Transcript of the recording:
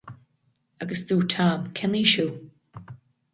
Agus dúirt Tom, cén aois thú?